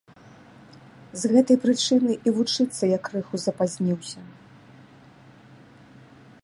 З гэтай прычыны і вучыцца я крыху запазніўся.